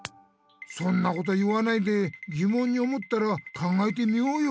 そんなこと言わないでぎもんに思ったら考えてみようよ！